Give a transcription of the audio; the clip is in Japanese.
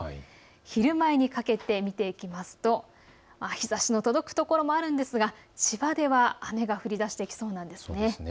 昼前にかけて見ていきますと日ざしの届く所もありますが千葉では雨が降りだしてきそうなんです。